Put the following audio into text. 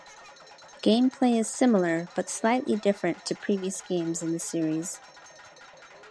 Gameplay is similar but slightly different to previous games in the series.